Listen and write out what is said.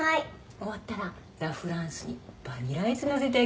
終わったらラ・フランスにバニラアイス載せてあげるから。